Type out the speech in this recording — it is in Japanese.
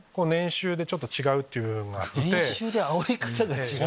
年収であおり方が違う⁉